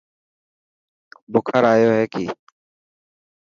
بخار آيو هي ڪي.